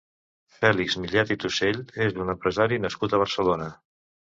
Fèlix Millet i Tusell és un empresari nascut a Barcelona.